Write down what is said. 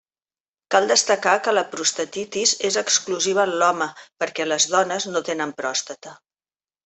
Cal destacar que la prostatitis és exclusiva en l'home perquè les dones no tenen pròstata.